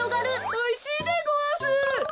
おいしいでごわす。